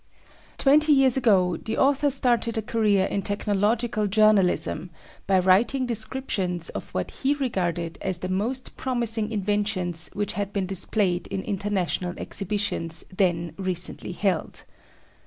Twenty years ago the author started a career in technological journalism by writing descriptions of what he regarded as the most promising inventions which had been displayed in international exhibitions then recently held.